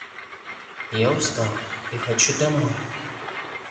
Я устала и хочу домой.